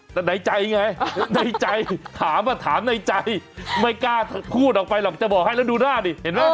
แต่ในใจไงในใจถามว่าถามในใจไม่กล้าพูดออกไปหรอกจะบอกให้แล้วดูหน้าดิเห็นไหม